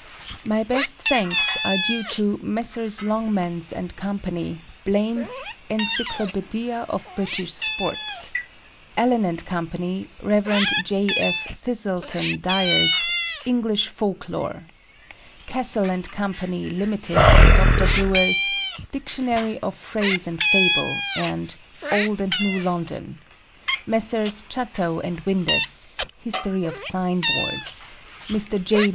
My best thanks are due to Messrs. Longmans & Co., Blaine's "Encyclopædia of British Sports;" Allen & Co., Rev. J. F. Thiselton Dyer's "English Folk lore;" Cassell & Company (Limited), Dr. Brewer's "Dictionary of Phrase and Fable," and "Old and New London;" Messrs. Chatto & Windus, "History of Sign boards;" Mr. J.